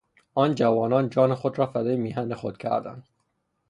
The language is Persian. آن جوانان جان خود را فدای میهن خود کردند.